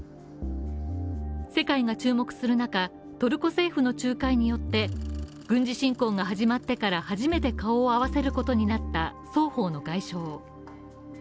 世界が注目する中、トルコ政府の仲介によって軍事侵攻が始まってから初めて顔を合わせることになった双方の外相。